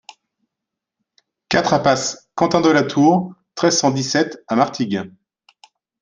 quatre impasse Quentin de la Tour, treize, cent dix-sept à Martigues